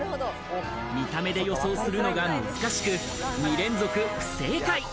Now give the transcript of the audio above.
見た目で予想するのが難しく、２連続不正解。